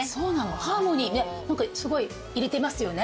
ハーモニー何かすごい入れてますよね。